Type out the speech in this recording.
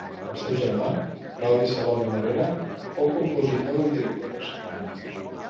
El seu germà, Claudi Salom i Morera, fou compositor i director musical.